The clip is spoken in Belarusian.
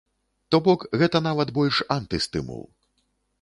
То бок, гэта нават больш антыстымул.